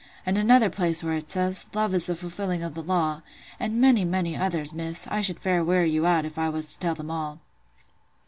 And another place where it says,—'Love is the fulfilling of the Law.' And many, many others, Miss: I should fair weary you out, if I was to tell them all.